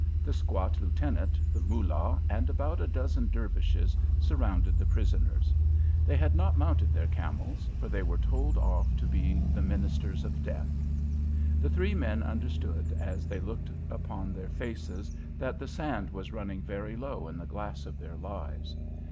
The squat lieutenant, the Moolah, and about a dozen Dervishes surrounded the prisoners. They had not mounted their camels, for they were told off to be the ministers of death. The three men understood as they looked upon their faces that the sand was running very low in the glass of their lives.